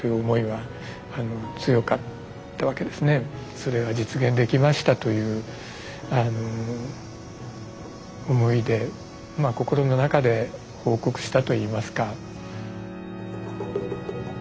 それは実現できましたというあの思いでまあ心の中で報告したといいますか。